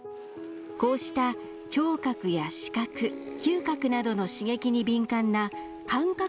こうした聴覚や視覚、嗅覚などの刺激に敏感な感覚